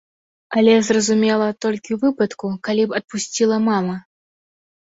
Але, зразумела, толькі ў выпадку, калі б адпусціла мама.